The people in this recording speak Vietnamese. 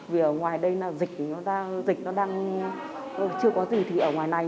vì ở ngoài đây là dịch nó đang chưa có gì thì ở ngoài này